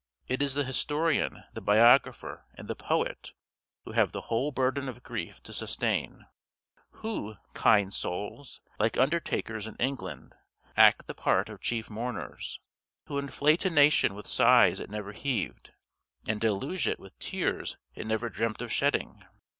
It is the historian, the biographer, and the poet, who have the whole burden of grief to sustain; who, kind souls! like undertakers in England, act the part of chief mourners; who inflate a nation with sighs it never heaved, and deluge it with tears it never dreamt of shedding.